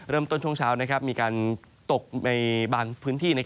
เริ่มต้นช่วงเช้ามีการตกในบางพื้นที่